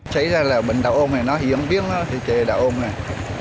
cháy ra là bệnh đạo ôn này nó hiếm biếng đó thì chế đạo ôn này